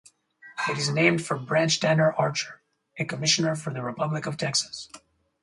It is named for Branch Tanner Archer, a commissioner for the Republic of Texas.